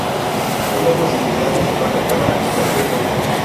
Hay la posibilidad de situar la cámara en cualquier punto.